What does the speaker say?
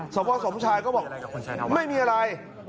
สพสมชายก็บอกไม่มีอะไร